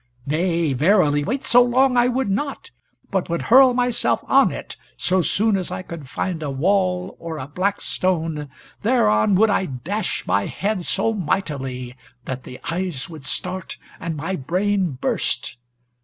Nay, verily, wait so long I would not: but would hurl myself on it so soon as I could find a wall, or a black stone, thereon would I dash my head so mightily, that the eyes would start, and my brain burst.